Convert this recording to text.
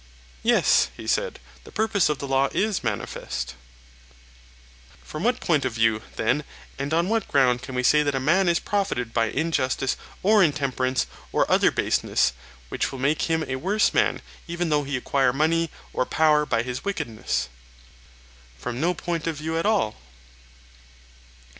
Yes, he said, the purpose of the law is manifest. From what point of view, then, and on what ground can we say that a man is profited by injustice or intemperance or other baseness, which will make him a worse man, even though he acquire money or power by his wickedness? From no point of view at all.